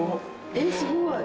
えっすごい！